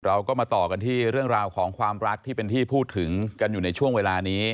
เราก็มาต่อกันที่เรื่องราวของความรักที่เป็นที่พูดถึงกันอยู่ในช่วงเวลานี้